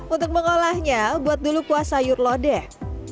untuk mengolahnya buat dulu kuah sayur lodeh